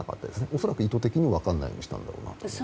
恐らく意図的に分からないようにしたんだと思います。